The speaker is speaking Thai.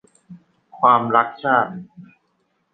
ความรักชาติ